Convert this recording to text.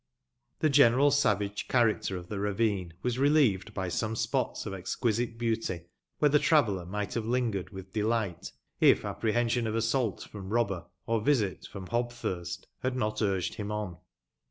The general savage chaiacter of the ravine was relieved by some spots of exquisite beauty, where the traveller might haye lingered with delight, if apprehension of assault from robber, or Visit from Hobthurst, had not urged him on.